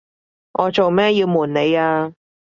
我做咩要暪你呀？